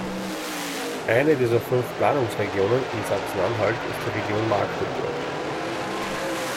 Eine dieser fünf Planungsregionen in Sachsen-Anhalt ist die Region Magdeburg.